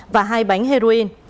và hai bánh heroin